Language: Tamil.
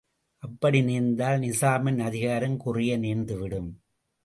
அப்படி நேர்ந்தால் நிசாமின் அதிகாரம் குறைய நேர்ந்துவிடும்.